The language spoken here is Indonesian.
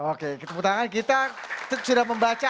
oke tepuk tangan kita sudah membaca